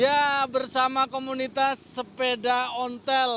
ya bersama komunitas sepeda ontel